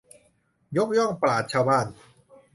ยกย่องปราชญ์ชาวบ้าน